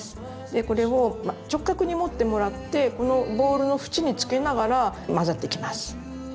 これを直角に持ってもらってこのボウルの縁につけながら混ぜていきます。